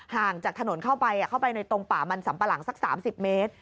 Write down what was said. ห่างจากถนนเข้าไปเข้าไปในตรงป่ามันสัมปะหลังสัก๓๐เมตร